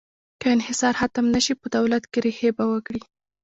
که انحصار ختم نه شي، په دولت کې ریښې به وکړي.